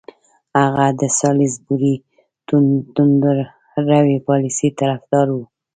هغه د سالیزبوري توندروي پالیسۍ طرفدار وو.